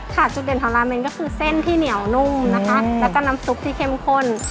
จุดเด่นของราเมนก็คือเส้นที่เหนียวนุ่มนะคะแล้วก็น้ำซุปที่เข้มข้น